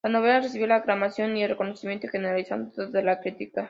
La novela recibió la aclamación y el reconocimiento generalizados de la crítica.